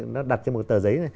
nó đặt trên một cái tờ giấy này